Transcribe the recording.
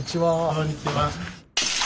こんにちは。